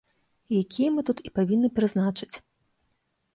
Якія мы тут і павінны прызначыць.